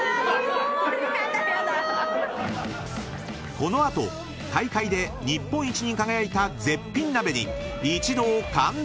［この後大会で日本一に輝いた絶品鍋に一同感動！］